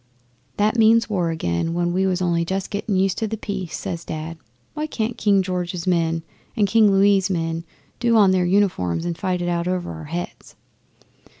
'"That means war again, when we was only just getting used to the peace," says Dad. "Why can't King George's men and King Louis' men do on their uniforms and fight it out over our heads?"